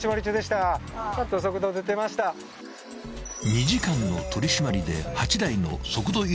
［２時間の取り締まりで］